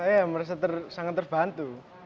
saya merasa sangat terbantu